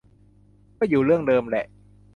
ก็อยู่เรื่องเดิมแหละ